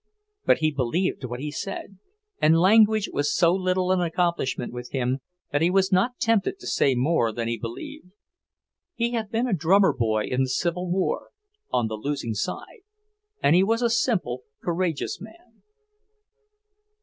But he believed what he said, and language was so little an accomplishment with him that he was not tempted to say more than he believed. He had been a drummer boy in the Civil War, on the losing side, and he was a simple, courageous man.